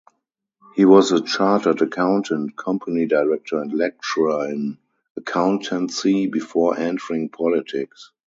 He was a chartered accountant, company director and lecturer in accountancy before entering politics.